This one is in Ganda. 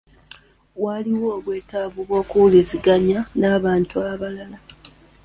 Waliwo obwetaavu obw’okuwuliziganya n’abantu abalala.